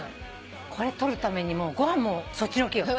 これ撮るためにご飯もそっちのけよ。